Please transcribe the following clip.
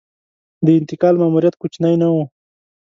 د انتقال ماموریت کوچنی نه و.